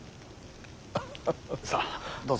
さあどうぞ。